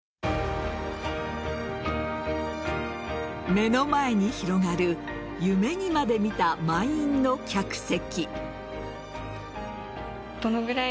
目の前に広がる夢にまで見た満員の客席。